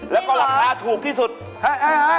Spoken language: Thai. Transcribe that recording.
แล้วก็หลักน้ำถูกที่สุดจริงเหรอ